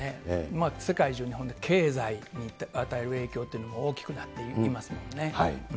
世界中の、本当に経済に与える影響というのは大きくなっていきますもんね。